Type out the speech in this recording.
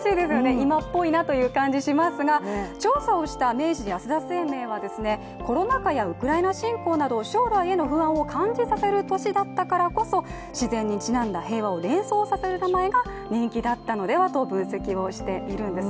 今っぽいなという感じがしますが調査をした明治安田生命はコロナ禍やウクライナ侵攻など将来への不安を感じさせる年だったからこそ自然にちなんだ平和を連想させる名前が任期だったのではと分析をしているんです。